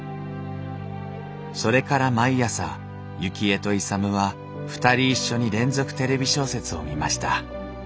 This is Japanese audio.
それから毎朝雪衣と勇は２人一緒に「連続テレビ小説」を見ました。